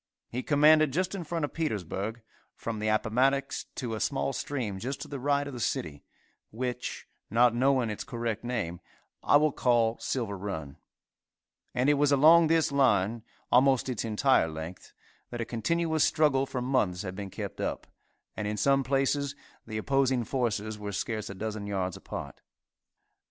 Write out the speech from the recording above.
He commanded just in front of Petersburg, from the Appomattox to a small stream just to the right of the city, which, not knowing its correct name, I will call Silver run; and it was along this line, almost its entire length, that a continuous struggle for months had been kept up, and in some places the opposing forces were scarce a dozen yards apart.